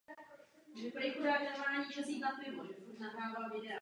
Během zkoušek se u kluků silněji než jindy projevila nedůvěra k našemu textu.